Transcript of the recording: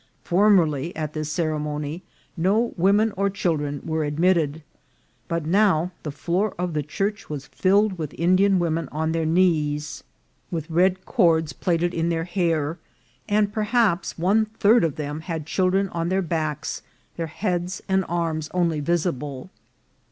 Formerly, at this ceremony no women or children were admitted ; but now the floor of the church was filled with Indian women on their knees, with red cords 212 INCIDENTS OP TRAVEL. plaited in their hair, and perhaps one third of them had children on their backs, their heads and arms only visi ble.